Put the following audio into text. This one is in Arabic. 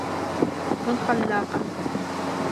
كُن خلاقاً.